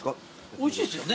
おいしいですよね。